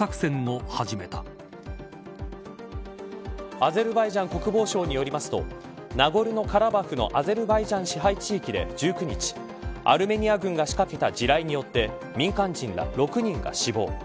アゼルバイジャン国防省によりますとナゴルノカラバフのアゼルバイジャン支配地域で１９日アルメニア軍が仕掛けた地雷によって民間人ら６人が死亡。